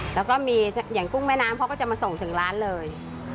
แล้วก็มีอย่างกุ้งแม่น้ำเขาก็จะมาส่งถึงร้านเลย